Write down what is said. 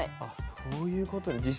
そういうことね。